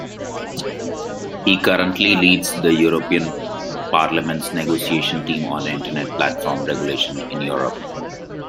He currently leads the European Parliament's negotiating team on internet platform regulation in Europe.